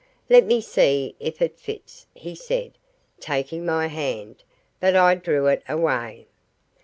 "Let me see if it fits," he said, taking my hand; but I drew it away.